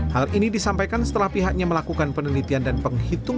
hal ini disampaikan setelah pihaknya melakukan penelitian dan penghitungan